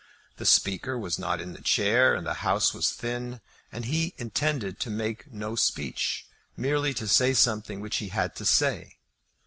The Speaker was not in the chair, and the House was thin, and he intended to make no speech, merely to say something which he had to say.